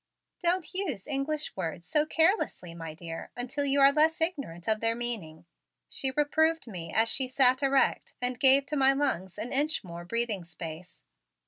"Don't use English words so carelessly, my dear, until you are less ignorant of their meaning," she reproved me as she sat erect and gave to my lungs an inch more breathing space.